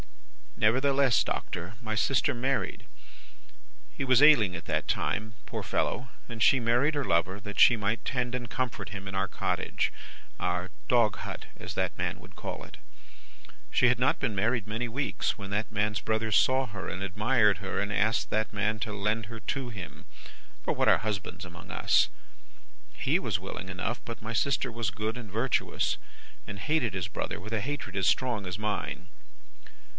"'Nevertheless, Doctor, my sister married. He was ailing at that time, poor fellow, and she married her lover, that she might tend and comfort him in our cottage our dog hut, as that man would call it. She had not been married many weeks, when that man's brother saw her and admired her, and asked that man to lend her to him for what are husbands among us! He was willing enough, but my sister was good and virtuous, and hated his brother with a hatred as strong as mine.